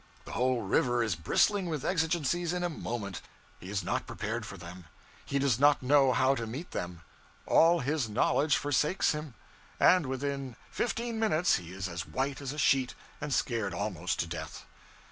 The whole river is bristling with exigencies in a moment; he is not prepared for them; he does not know how to meet them; all his knowledge forsakes him; and within fifteen minutes he is as white as a sheet and scared almost to death.